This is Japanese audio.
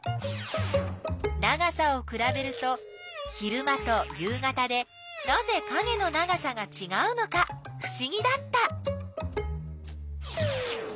長さをくらべると昼間と夕方でなぜかげの長さがちがうのかふしぎだった。